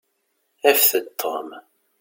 Afet-d Tom.